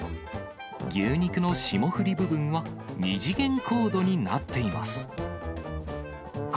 牛肉の霜降り部分は、２次元コードになっています。